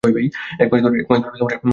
একমাস ধরে এই অনুষ্ঠান চলে।